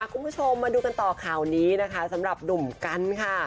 คุณผู้ชมมาดูกันต่อข่าวนี้นะคะสำหรับหนุ่มกันค่ะ